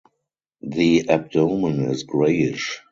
The abdomen is grayish.